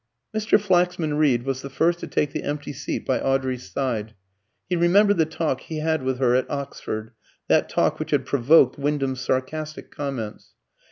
Mr. Flaxman Reed was the first to take the empty seat by Audrey's side. He remembered the talk he had with her at Oxford that talk which had provoked Wyndham's sarcastic comments.